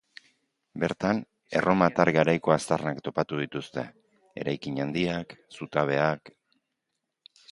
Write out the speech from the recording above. Bertan erromatar garaiko aztarnak topatu dituzte: eraikin handiak, zutabeak...